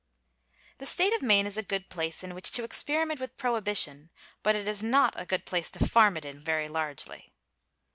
The State of Maine is a good place in which to experiment with prohibition, but it is not a good place to farm it in very largely.